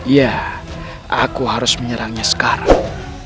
ya aku harus menyerangnya sekarang